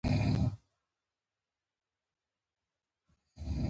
بد حالت تېرېدونکى دئ او توري شپې رؤڼا کېږي.